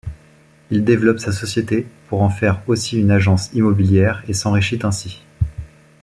Il développe sa société pour en faire aussi une agence immobilière et s'enrichit ainsi.